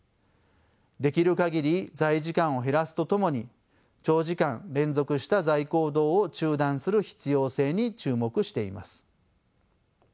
できる限り座位時間を減らすとともに長時間連続した座位行動を中断する必要性に注目しています。